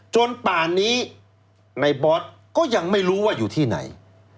ป่านนี้ในบอสก็ยังไม่รู้ว่าอยู่ที่ไหน